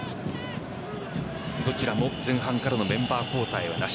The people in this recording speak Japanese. どちらも前半からのメンバー交代はなし。